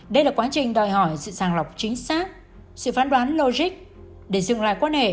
đây là quá trình đòi hỏi sự sàng lọc chính xác sự phán đoán logic để dừng lại quan hệ